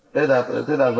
bán xe bán đất